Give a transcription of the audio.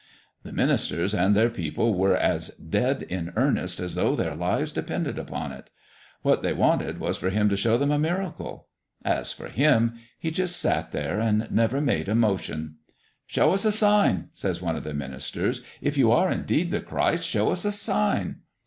"The ministers and their people were as dead in earnest as though their lives depended upon it. What they wanted was for Him to show them a miracle. As for Him, He just sat there and never made a motion. 'Show us a sign,' says one of the ministers. 'If you are, indeed, the Christ, show us a sign.'